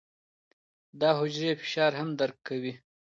دا حجرې فشار هم درک کوي.